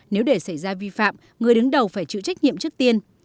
nếu để xảy ra vi phạm người đứng đầu phải chịu trách nhiệm trước tiên